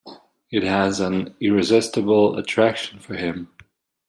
It has an irresistible attraction for him.